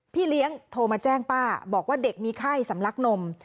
พี่เลี้ยงโทรมาแจ้งป้าบอกว่าเด็กมีไข้สำลักนม